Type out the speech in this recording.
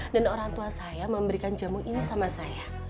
dan orang tua saya memberikan jamu ini sama saya